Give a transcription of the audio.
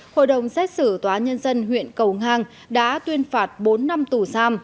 hội đồng xét xử tòa nhân dân huyện cầu ngang đã tuyên phạt bốn năm tù giam